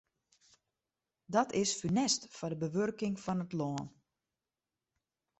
Dat is funest foar de bewurking fan it lân.